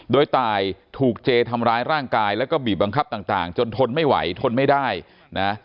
โดยตายถูกเจทำร้ายร่างกายแล้วก็บีบบังคับต่างจนทนไม่ไหวทนไม่ได้นะ